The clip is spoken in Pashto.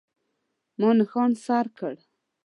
ما نښان سر کړ.